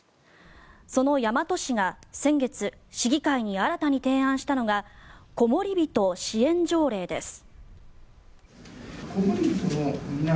その大和市が先月市議会に新たに提案したのがこもりびと支援条例です。